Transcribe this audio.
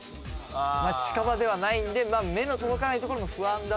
まあ近場ではないんで目の届かないところも不安だったり。